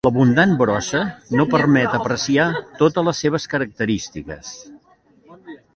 L'abundant brossa no permet apreciar totes les seves característiques.